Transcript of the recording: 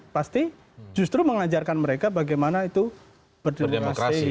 pasti justru mengajarkan mereka bagaimana itu berdemokrasi